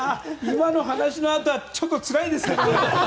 今の話のあとはちょっとつらいですけどね。